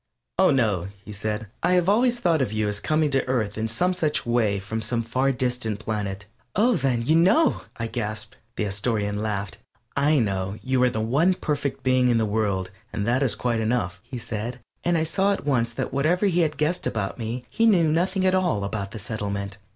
"Oh, no," he said; "I have always thought of you as coming to Earth in some such way from some far distant planet." "Oh, then, you know!" I gasped. The Astorian laughed. "I know you are the one perfect being in the world, and that is quite enough," he said, and I saw at once that whatever he had guessed about me he knew nothing at all of the Settlement.